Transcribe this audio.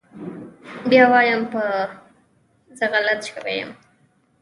بيا وايم يه زه غلط سوى يم.